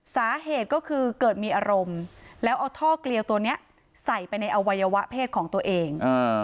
สาเหตุก็คือเกิดมีอารมณ์แล้วเอาท่อเกลียวตัวนี้ใส่ไปในอวัยวะเพศของตัวเอง